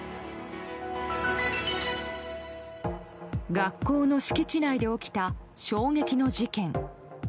学校の敷地内で起きた衝撃の事件。